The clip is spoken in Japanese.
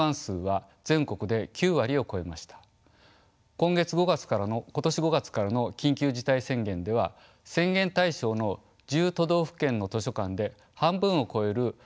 昨年春の今年５月からの緊急事態宣言では宣言対象の１０都道府県の図書館で半分を超える２８７館が休館しています。